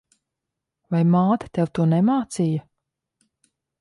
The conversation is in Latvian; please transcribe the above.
Vai māte tev to nemācīja?